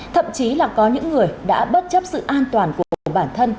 thậm chí là có những người đã bất chấp sự an toàn của bản thân